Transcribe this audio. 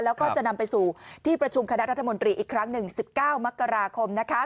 แล้วก็จะนำไปสู่ที่ประชุมคณะรัฐมนตรีอีกครั้งหนึ่ง๑๙มกราคม